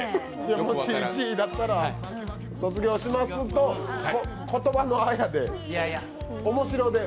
いや、もし１位だったら卒業しますと言葉のあやで。